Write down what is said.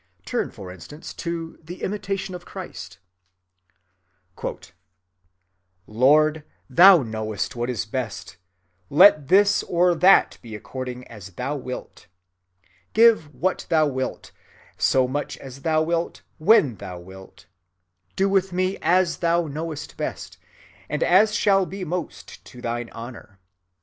Turn, for instance, to the Imitation of Christ:— "Lord, thou knowest what is best; let this or that be according as thou wilt. Give what thou wilt, so much as thou wilt, when thou wilt. Do with me as thou knowest best, and as shall be most to thine honour.